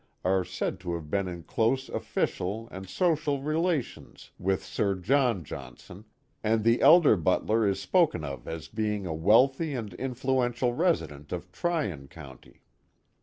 are said to have been in close official and social relations 330 The Mohawk Valley with Sir John Johnson, and the elder Butler is spoken of as being a wealthy and influential resident of Tryon county.